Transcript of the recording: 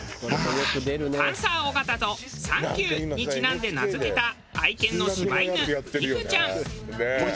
パンサー尾形と「サンキュー」にちなんで名付けた愛犬の柴犬三九ちゃん。